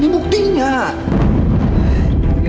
ini buktinya ibu ini buktinya